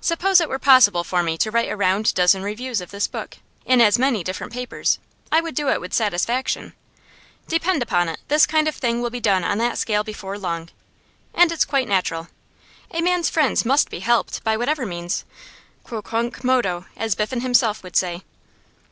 Suppose it were possible for me to write a round dozen reviews of this book, in as many different papers, I would do it with satisfaction. Depend upon it, this kind of thing will be done on that scale before long. And it's quite natural. A man's friends must be helped, by whatever means, quocunque modo, as Biffen himself would say.